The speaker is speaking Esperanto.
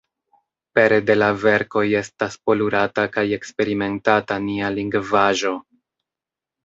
Pere de la verkoj estas polurata kaj eksperimentata nia lingvaĵo.